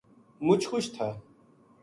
مچ خوش تھا